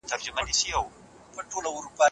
معلم سمیع او ښځه یې یوازې پیسې ټولوي.